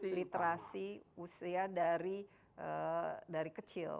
literasi usia dari kecil